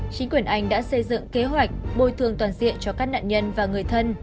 chính quyền anh đã xây dựng kế hoạch bồi thường toàn diện cho các nạn nhân và người thân